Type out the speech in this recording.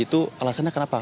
itu alasannya kenapa